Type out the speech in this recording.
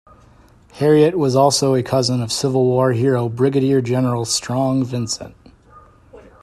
Harriet was also a cousin of Civil War hero Brigadier General Strong Vincent.